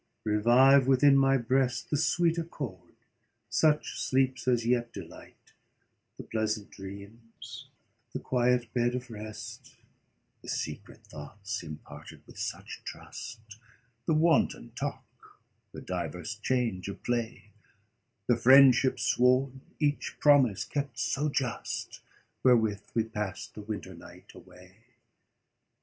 revive within my breastThe sweet accord, such sleeps as yet delight; The pleasant dreams, the quiet bed of rest; The secret thoughts, imparted with such trust; The wanton talk, the divers change of play; The friendship sworn, each promise kept so just, Wherewith we passed the winter night away.